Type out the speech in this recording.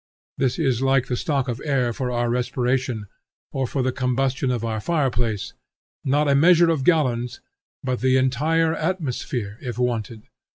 This is like the stock of air for our respiration or for the combustion of our fireplace; not a measure of gallons, but the entire atmosphere if wanted.